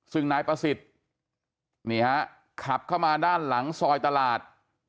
ซึ่งนายประสิทธิ์นี่ฮะขับเข้ามาด้านหลังซอยตลาด